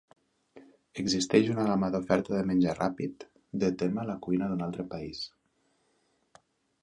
Existeix una gamma d'oferta de menjar ràpid de tema la cuina d'un altre país.